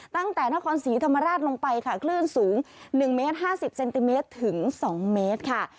ตั้งแต่นครศรีธรรมราชลงไปค่ะคลื่นสูง๑เมตร๕๐เซนติเมตรถึง๒เมตรค่ะ